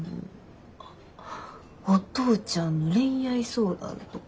お父ちゃんの恋愛相談とか？